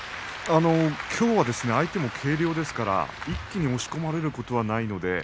きょうは相手も軽量ですから一気に押し込まれることはないので